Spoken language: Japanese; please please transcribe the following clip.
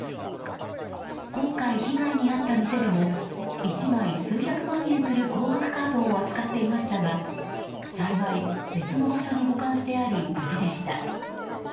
今回、被害に遭った店でも１枚数百万円する高額カードを扱っていましたが幸い別の場所に保管してあり無事でした。